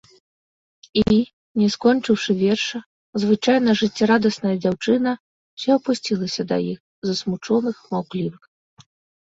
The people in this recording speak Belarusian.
І, не скончыўшы верша, звычайна жыццярадасная дзяўчына ўся апусцілася да іх, засмучоных, маўклівых.